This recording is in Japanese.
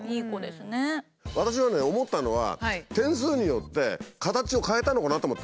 私がね思ったのは点数によって形を変えたのかなと思ったの。